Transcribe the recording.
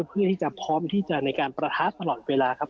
เพื่อที่จะพร้อมที่จะในการประทะตลอดเวลาครับ